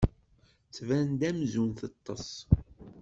Tban-d amzun teṭṭes.